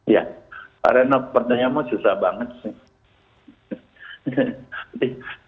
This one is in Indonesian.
ya pak renop pertanyaanmu susah banget sih